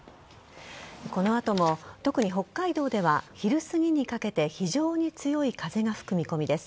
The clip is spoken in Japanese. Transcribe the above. この後も特に北海道では昼すぎにかけて、非常に強い風が吹く見込みです。